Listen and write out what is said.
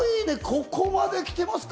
ここまで来てますか！